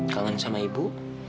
kangen sama ibu